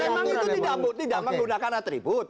dan memang itu tidak menggunakan atribut